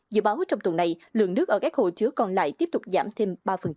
dự báo trong tuần này lượng nước ở các hồ chứa còn lại tiếp tục giảm thêm ba